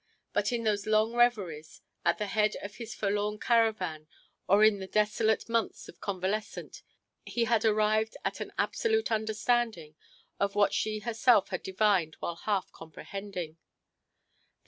But in those long reveries, at the head of his forlorn caravan or in the desolate months of convalescence, he had arrived at an absolute understanding of what she herself had divined while half comprehending.